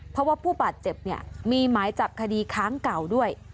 เพราะว่าผู้บาดเจ็บเนี่ยมีหมายจับคดีค้างเก่าด้วย